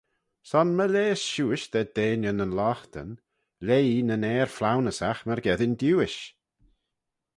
Son my leihys shiuish da deiney nyn loghtyn, leihee nyn Ayr flaunyssagh myrgeddin diuish.